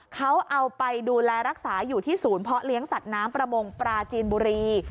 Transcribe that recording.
เขาเอาไปดูแลรักษาอยู่ที่ศูนย์เพาะเลี้ยงสัตว์น้ำประมงปราจีนบุรี